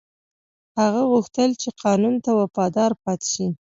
هغه غوښتل چې قانون ته وفادار پاتې شي.